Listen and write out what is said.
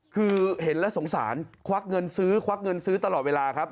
คือเห็นแล้วสงสารควักเงินซื้อควักเงินซื้อตลอดเวลาครับ